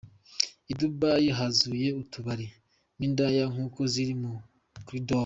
I Dubai huzuye utubari n"indaya nkuko ziri muri Corridor.